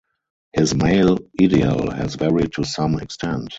His male ideal has varied to some extent.